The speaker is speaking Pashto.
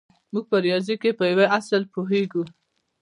موږ په ریاضي کې په یوه اصل پوهېږو